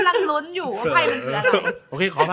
ยังรั้นอยู่นะ